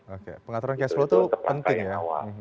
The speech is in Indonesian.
oke pengaturan cash flow itu penting ya